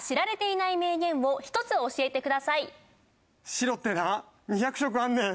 白ってな２００色あんねん。